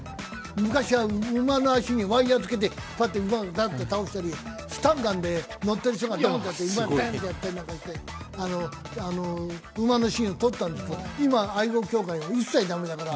昔は馬の足にワイヤーつけて引っ張って馬をばっと倒したり、スタンガンで乗ってる人が倒したりして馬のシーンを撮ったんですけど今は愛護協会が一切ダメだから。